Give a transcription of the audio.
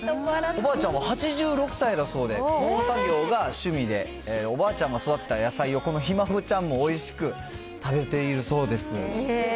おばあちゃんは８６歳だそうで、農作業が趣味で、おばあちゃんが育てた野菜を、このひ孫ちゃんもおいしく食べているそうです。